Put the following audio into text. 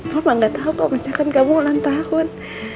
mama gak tau kalau misalkan kamu ulang tahun